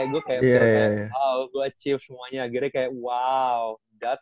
kayak gue kayak feel kayak wow gue achieve semuanya akhirnya kayak wow that s